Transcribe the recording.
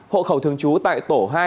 hộ khẩu thường trú tại tổ hai